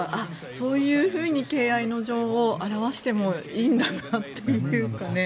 そういうふうに敬愛の情を表してもいいんだなっていうか。